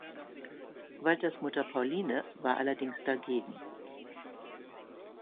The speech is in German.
Walters Mutter Pauline war allerdings dagegen.